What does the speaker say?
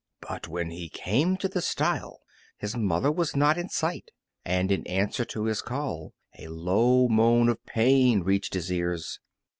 But when he came to the stile his mother was not in sight, and in answer to his call a low moan of pain reached his ears.